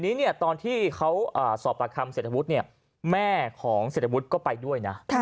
ทีนี้เนี่ยตอนที่เขาสอบปากคำเศรษฐวุฒิแม่ของเศรษฐวุฒิก็ไปด้วยนะ